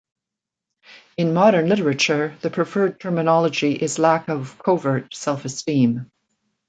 In modern literature, the preferred terminology is "lack of covert self-esteem".